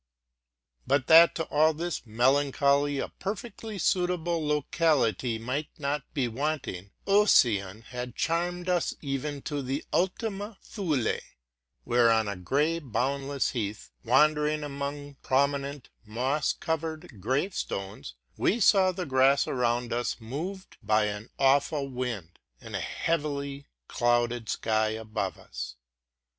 But that to all this melancholy a perfectly suitable loc: ality might not be wanting, Ossian had charmed us even to the Ultima Thule,' where on a gray, boundless heath, wander ing among prominent moss covered gravestones, we saw the Grass around us moved by an awful wind, and a heavily clouded sky above us.